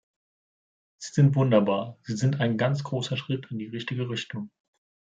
Sie sind wunderbar, sie sind ein ganz großer Schritt in die richtige Richtung.